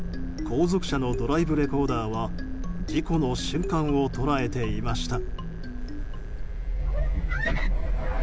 後続車のドライブレコーダーは事故の瞬間を捉えていました。